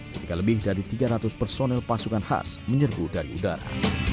ketika lebih dari tiga ratus personel pasukan khas menyerbu dari udara